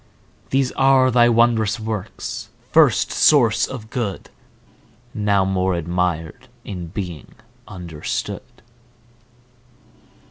These are thy wondrous works, first source of Good! Now more admir'd in being understood.